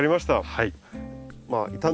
はい。